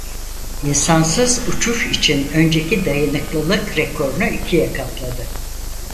İnsansız uçuş için önceki dayanıklılık rekorunu ikiye katladı.